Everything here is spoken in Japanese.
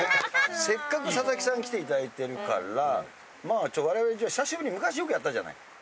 せっかく佐々木さん来ていただいてるから我々久しぶりに昔よくやったじゃない。